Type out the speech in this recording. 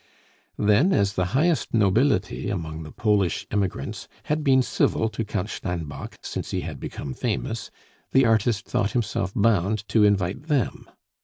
Then, as the highest nobility among the Polish emigrants had been civil to Count Steinbock since he had become famous, the artist thought himself bound to invite them.